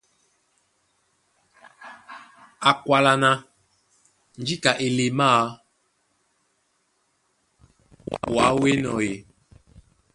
Á kwálá ná :Njíka elemáā wǎ ó enɔ́ ē?